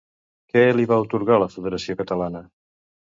Què li va atorgar la Federació Catalana?